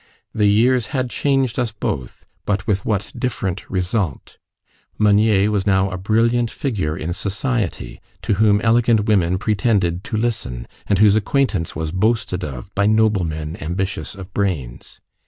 The years had changed us both, but with what different result! Meunier was now a brilliant figure in society, to whom elegant women pretended to listen, and whose acquaintance was boasted of by noblemen ambitious of brains.